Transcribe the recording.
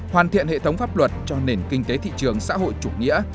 hoàn thiện hệ thống pháp luật cho nền kinh tế thị trường xã hội chủ nghĩa